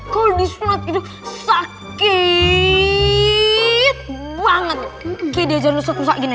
kalau disunat gitu sakit banget kayak diajar ustadz ustadz gini